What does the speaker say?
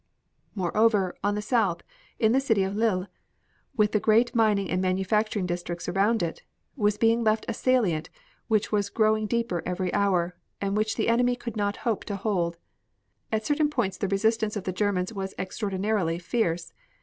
Moreover, on the south, the city of Lille, with the great mining and manufacturing districts around it, was being left in a salient which was growing deeper every hour and which the enemy could not hope to hold. At certain points the resistance of the Germans was extraordinarily fierce.